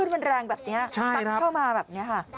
มันแรงแบบนี้ซัดเข้ามาแบบนี้ค่ะ